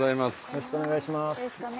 よろしくお願いします。